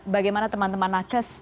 bagaimana teman teman nakas